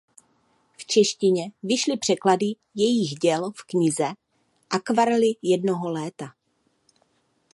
V češtině vyšly překlady jejích děl v knize "Akvarely jednoho léta".